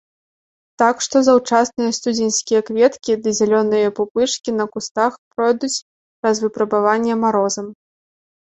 Так што заўчасныя студзеньскія кветкі ды зялёныя пупышкі на кустах пройдуць праз выпрабаванне марозам.